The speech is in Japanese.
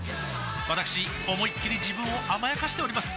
わたくし思いっきり自分を甘やかしております